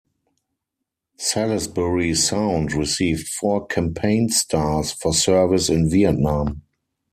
"Salisbury Sound" received four campaign stars for service in Vietnam.